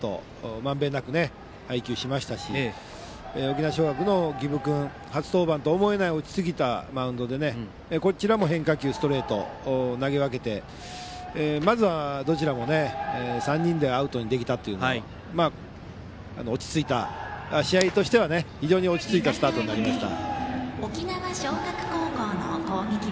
まんべんなく配球しましたし沖縄尚学の儀部君初登板とは思えないほど落ち着いたマウンドでこちらも変化球、ストレートと投げ分けてまずはどちらも３人でアウトにできたというのが試合としては非常に落ち着いたスタートとなりました。